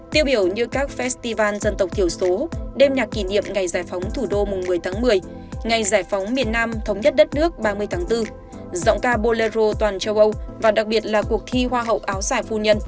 tiêu biểu như các festival dân tộc thiểu số đêm nhạc kỷ niệm ngày giải phóng thủ đô mùng một mươi tháng một mươi ngày giải phóng miền nam thống nhất đất nước ba mươi tháng bốn giọng ca bolero toàn châu âu và đặc biệt là cuộc thi hoa hậu áo dài phu nhân